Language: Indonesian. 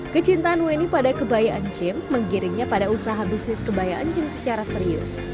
kecintaan winnie pada kebaya encim menggiringnya pada usaha bisnis kebaya encim secara serius